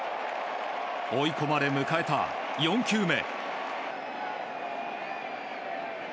追い込まれ、迎えた４球目。